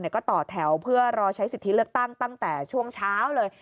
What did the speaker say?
ก็ต่อแถวเพื่อรอใช้สิทธิเลือกตั้งตั้งแต่ช่วงเช้าเลย